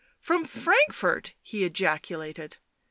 " From Frankfort?" he ejaculated.